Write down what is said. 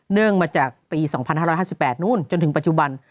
เนื่องมาจากปี๒๕๕๘นู่นจนถึงปัจจุบัน